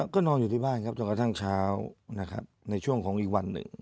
ก็นอนอยู่ที่บ้านครับจนกระทั่งเช้านะครับในช่วงของอีกวันหนึ่ง